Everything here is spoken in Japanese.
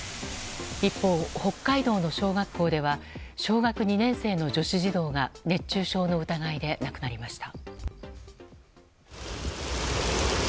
一方、北海道の小学校では小学２年生の女子児童が熱中症の疑いで亡くなりました。